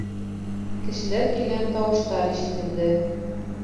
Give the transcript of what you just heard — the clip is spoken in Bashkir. Кешеләр килгән тауыштар ишетелде.